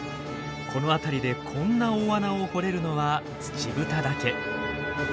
この辺りでこんな大穴を掘れるのはツチブタだけ。